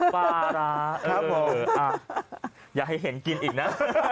ปลาร้าอย่าให้เห็นกินอีกนะ